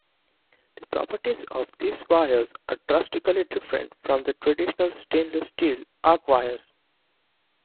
The properties of these wires are drastically different from the traditional stainless steel archwires.